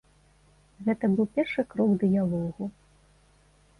Гэта быў першы крок дыялогу.